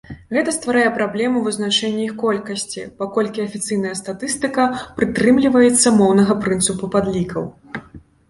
Гэта стварае праблему вызначэння іх колькасці, паколькі афіцыйная статыстыка прытрымліваецца моўнага прынцыпу падлікаў.